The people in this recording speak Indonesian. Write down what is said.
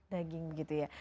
daging gitu ya